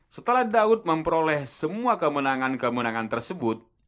setelah daud memperoleh semua kemenangan kemenangan tersebut